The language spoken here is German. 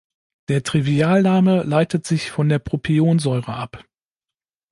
Der Trivialname leitet sich von der Propionsäure ab.